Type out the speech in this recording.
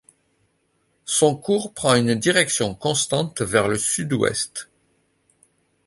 Son cours prend une direction constante vers le sud-ouest.